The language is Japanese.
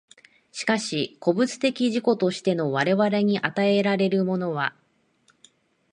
しかし個物的自己としての我々に与えられるものは、